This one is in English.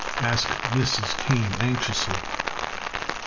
asked Mrs. Kane, anxiously.